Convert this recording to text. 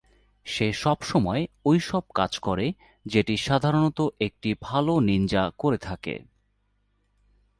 সে সবসময় ঐসব কাজ করে যেটি সাধারণত একটি ভালো নিনজা করে থাকে।